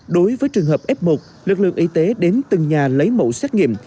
đối với trường hợp f một lực lượng y tế đến từng nhà lấy mẫu xét nghiệm